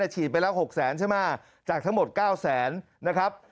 ฉีดไปแล้ว๖แสนใช่ไหมจากทั้งหมด๙แสนนะครับ